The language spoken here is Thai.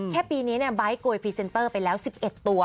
ปีนี้ไบท์โกยพรีเซนเตอร์ไปแล้ว๑๑ตัว